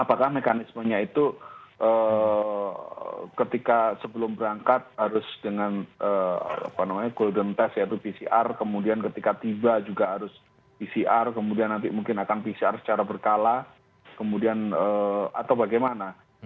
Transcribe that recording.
apakah mekanismenya itu ketika sebelum berangkat harus dengan golden test yaitu pcr kemudian ketika tiba juga harus pcr kemudian nanti mungkin akan pcr secara berkala atau bagaimana